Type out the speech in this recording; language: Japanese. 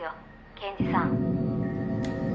検事さん」